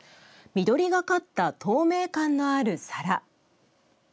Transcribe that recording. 緑がかった透明感のある皿。